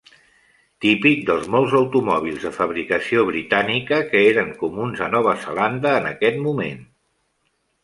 Típic dels molts automòbils de fabricació britànica que eren comuns a Nova Zelanda en aquest moment.